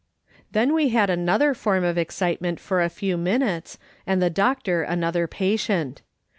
Then we had another form of excitement for a few minutes, and the doctor another patient.